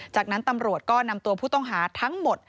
จากนั้นตำรวจก็นำตัวผู้ต้องหาทั้งหมด